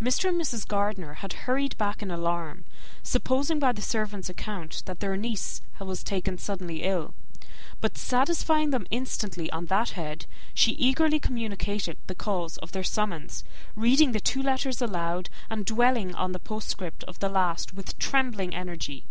Mr. and Mrs. Gardiner had hurried back in alarm, supposing, by the servant's account, that their niece was taken suddenly ill; but satisfying them instantly on that head, she eagerly communicated the cause of their summons, reading the two letters aloud, and dwelling on the postscript of the last with trembling energy.